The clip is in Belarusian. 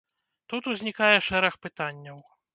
Тут узнікае шэраг пытанняў.